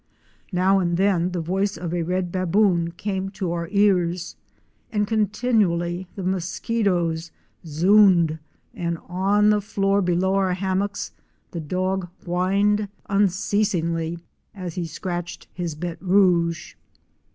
Now and then the voice of a red "baboon" came to our ears; and continually the mosquitoes "zooned'' and on the floor below our hammocks the dog whined unceasingly as he scratched his béte rouge.